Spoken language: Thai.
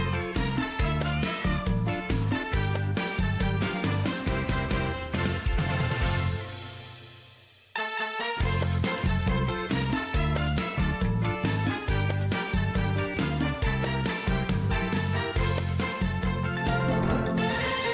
โปรดติดตามตอนต่อไป